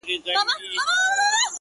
سپوږمۍ ته گوره زه پر بام ولاړه يمه’